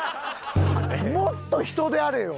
もっと人であれよ。